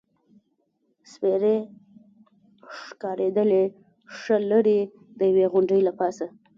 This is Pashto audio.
سپېرې ښکارېدلې، ښه لرې، د یوې غونډۍ له پاسه.